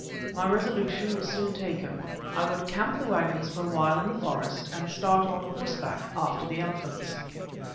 My resolution was soon taken. I would camp the waggons for a while in the forest, and start on horseback after the elephants.